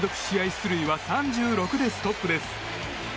出塁は３６でストップです。